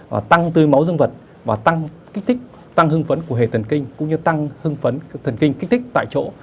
và tăng tươi máu dương vật và tăng kích thích tăng hương phấn của hệ thần kinh cũng như tăng hương phấn thần kinh kích thích tại chỗ